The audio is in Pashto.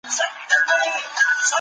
ښه ذهنیت شخړه نه پیدا کوي.